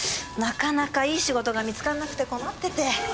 なかなかいい仕事が見つからなくて困ってて。